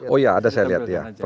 oh iya ada saya lihat ya